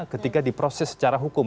ketika diproses secara hukum